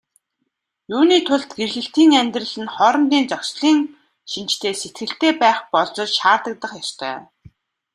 Юуны тулд гэрлэлтийн амьдрал нь хоорондын зохицлын шинжтэй сэтгэлтэй байх болзол шаардагдах ёстой.